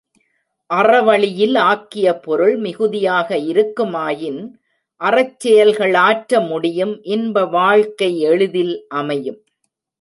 அறவழியில் ஆக்கிய பொருள் மிகுதியாக இருக்குமாயின் அறச்செயல்கள் ஆற்ற முடியும் இன்ப வாழ்க்கை எளிதில் அமையும்.